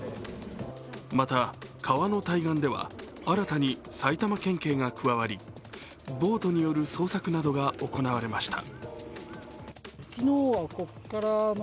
また、川の対岸では新たに埼玉県警が加わり、ボートによる捜索などが行われました。